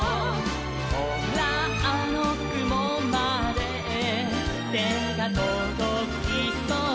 「ほらあのくもまでてがとどきそう」